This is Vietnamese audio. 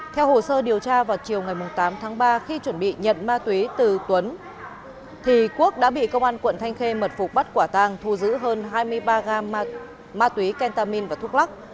theo hồ sơ điều tra vào chiều ngày tám tháng ba khi chuẩn bị nhận ma túy từ tuấn thì quốc đã bị công an quận thanh khê mật phục bắt quả tang thu giữ hơn hai mươi ba gam ma túy kentamin và thuốc lắc